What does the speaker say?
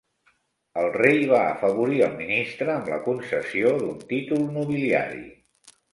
El rei va afavorir el ministre amb la concessió d'un títol nobiliari.